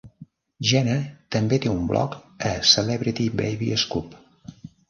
Gena també té un blog a Celebrity Baby Scoop.